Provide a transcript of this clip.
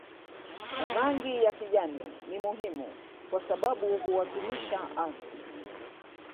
Rangi ya kijani ni muhimu kwa sababu huwakilisha ardhi